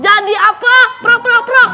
jadi apalah prok prok prok